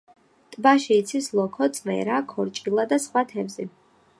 ტბაში იცის ლოქო, წვერა, ქორჭილა და სხვა თევზი.